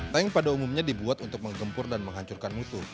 tank pada umumnya dibuat untuk menggempur dan menghancurkan mutu